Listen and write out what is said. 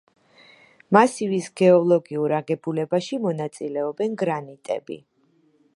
მასივის გეოლოგიურ აგებულებაში მონაწილეობენ გრანიტები.